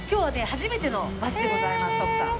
初めてのバスでございます徳さん。